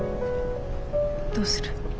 どうする？